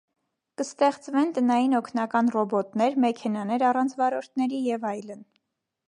Կստեղծվեն տնային օգնական ռոբոտներ, մեքենաներ առանց վարորդների և այլն։